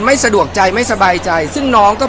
ไม่สะดวกใจไม่สบายใจซึ่งน้องก็